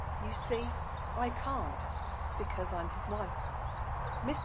You see, I can't, because I'm his wife." Mr.